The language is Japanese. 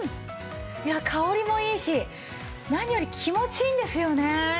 いや香りもいいし何より気持ちいいんですよね。